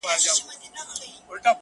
هم یې پلار ننه ایستلی په زندان وو!.